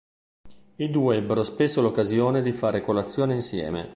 I due ebbero spesso l'occasione di fare colazione insieme.